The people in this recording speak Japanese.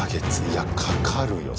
いやかかるよ